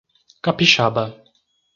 Capixaba